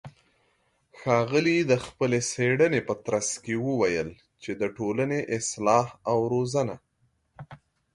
ښاغلى د خپلې څېړنې په ترڅ کې وويل چې د ټولنې اصلاح او روزنه